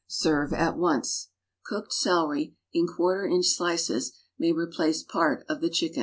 Serve at once. Cooked celery (in quarter inch slices) may replace part of the chicken.